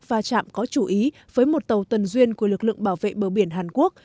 và chạm có chủ ý với một tàu tuần duyên của lực lượng bảo vệ bờ biển hàn quốc